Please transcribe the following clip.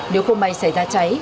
nếu không may xảy ra cháy